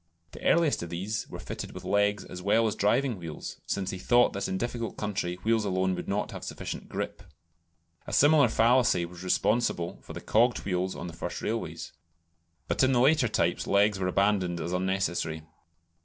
The earliest of these were fitted with legs as well as driving wheels, since he thought that in difficult country wheels alone would not have sufficient grip. (A similar fallacy was responsible for the cogged wheels on the first railways.) But in the later types legs were abandoned as unnecessary.